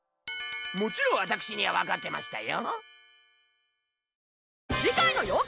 もちろん私にはわかってましたよ。